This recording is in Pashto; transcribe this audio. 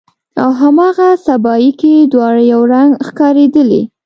او هاغه سبایي کې دواړه یو رنګ ښکاریدلې